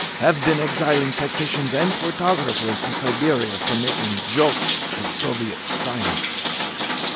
Have been exiling technicians and photographers to Siberia for making jokes of Soviet science.